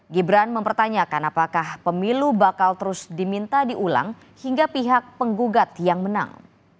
gibran mempertanyakan apakah pemilu bakal terus diminta diulang hingga pihak penggugat yang menang